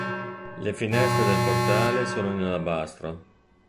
Le finestre del portale sono in alabastro.